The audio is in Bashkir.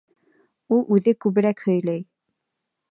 Ул үҙе күберәк һөйләй.